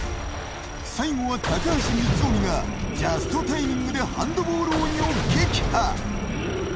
最後は高橋光臣がジャストタイミングでハンドボール鬼を撃破。